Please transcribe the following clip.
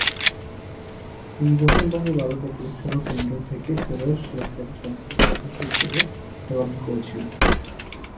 তিনি পশ্চিমবঙ্গের বালুরঘাট লোকসভা কেন্দ্র থেকে ষোড়শ লোকসভার সংসদ সদস্য হিসাবে দায়িত্ব পালন করেছিলেন।